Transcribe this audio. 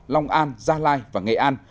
long an gia lai và nghệ an